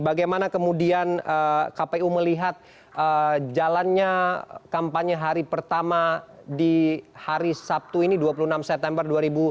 bagaimana kemudian kpu melihat jalannya kampanye hari pertama di hari sabtu ini dua puluh enam september dua ribu dua puluh